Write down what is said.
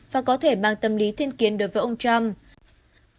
và có thể mang tâm lý thiên kiến đối với ông trump